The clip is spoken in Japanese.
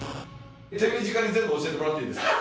手短に全部教えてもらっていいですか？